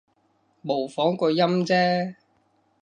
模仿個音啫